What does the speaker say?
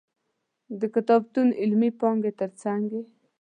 د کتابتون علمي پانګې تر څنګ یې.